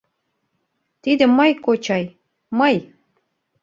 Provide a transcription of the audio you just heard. — Тиде мый, кочай... мый...